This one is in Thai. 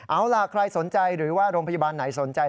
เอาล่ะใครสนใจหรือว่าโรงพยาบาลไหนสนใจ